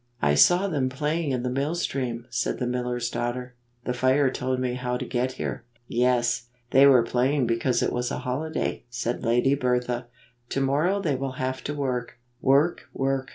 "I saw them playing in the mill stream," said the miller's daughter. "The fire told me how to get here." "Yes! Th.ey were playing because it was a holiday," said Lady Bertha. "To morrow they will have to work." "Work! Work!"